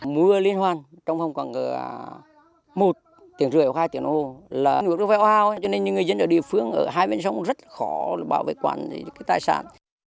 mưa liên hoan trong phòng khoảng một tiếng rưỡi hoặc hai tiếng hồ nước rất là hoa hoa cho nên người dân ở địa phương ở hai bên sông rất khó bảo vệ quản tài sản